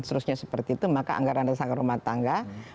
terima kasih pak